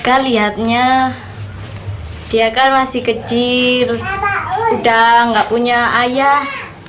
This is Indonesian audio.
dia lihatnya dia kan masih kecil udah gak punya ayah